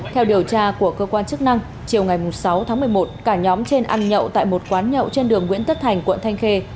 theo điều tra của cơ quan chức năng chiều ngày sáu tháng một mươi một cả nhóm trên ăn nhậu tại một quán nhậu trên đường nguyễn tất thành quận thanh khê